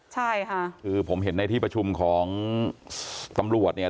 ใช่ค่ะคือผมเห็นในที่ประชุมของตำรวจเนี่ย